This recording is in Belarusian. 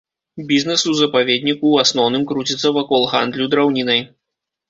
Бізнес у запаведніку ў асноўным круціцца вакол гандлю драўнінай.